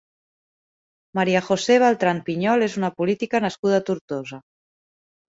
María José Beltran Piñol és una política nascuda a Tortosa.